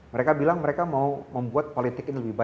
mereka bilang mereka mau membuat politik ini lebih baik